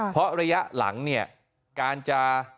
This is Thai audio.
เพราะระยะหลังเนี่ยการจะ